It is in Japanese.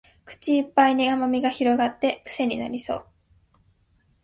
口いっぱいに甘味が広がってクセになりそう